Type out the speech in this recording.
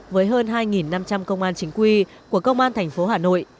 với hơn hai năm trăm linh công an chính quy của công an thành phố hà nội